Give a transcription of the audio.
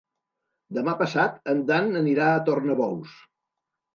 Demà passat en Dan anirà a Tornabous.